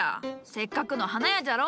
せっかくの花屋じゃろ？